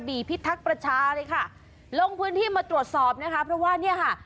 พิทักษ์ประชาเลยค่ะลงพื้นที่มาตรวจสอบนะคะเพราะว่าเนี่ยค่ะ